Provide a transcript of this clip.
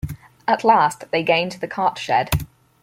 At last they gained the cartshed.